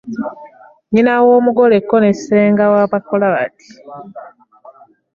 Nnyina w’omugole ko ne ssenga wa bakola bati.